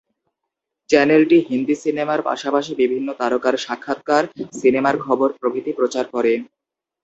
চ্যানেলটি হিন্দি সিনেমার পাশাপাশি বিভিন্ন তারকার সাক্ষাৎকার, সিনেমার খবর প্রভৃতি প্রচার করে।